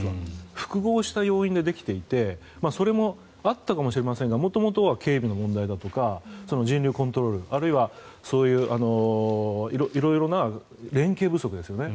複合した要因で起きていてそれもあったかもしれませんが元々は警備の問題だとか人流コントロールあるいはそういう色々な連携不足ですよね。